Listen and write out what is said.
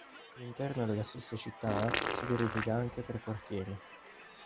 All'interno della stessa città si verifica anche tra quartieri.